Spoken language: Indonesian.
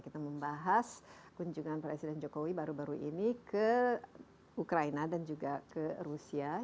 kita membahas kunjungan presiden jokowi baru baru ini ke ukraina dan juga ke rusia